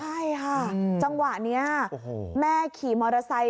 ใช่ค่ะจังหวะนี้แม่ขี่มอเตอร์ไซค์